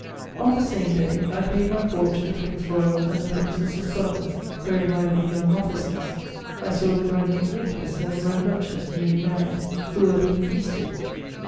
On the same day I paid my court to the Prince Royal and the Princes his brothers, very lively young officers. I saw the Grand duke Nicholas and the Grand duchess, newly married, who were being feasted.